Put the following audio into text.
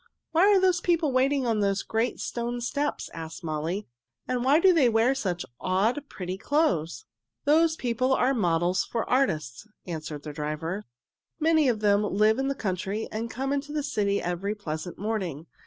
"Why are the people waiting on those great stone steps?" asked Molly. "And why do they wear such odd, pretty clothes?" [Illustration: "It should be called the Flower Piazza!"] "Those people are models for artists," answered their driver. "Many of them live in the country and come into the city every pleasant morning.